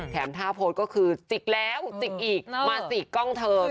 ท่าโพสต์ก็คือจิกแล้วจิกอีกมาสิกกล้องเธอ